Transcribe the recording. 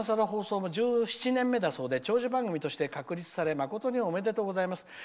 放送も１７年目だそうですが長寿番組として確立され誠におめでとうございます。